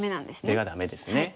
出がダメですね。